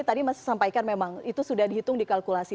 tadi mas sampaikan memang itu sudah dihitung dikalkulasi